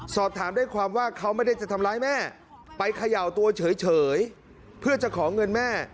สอบถามได้ความว่าเขาไม่ได้จะทำร้ายแม่ไปเขย่าตัวเฉยเพื่อจะขอเงินแม่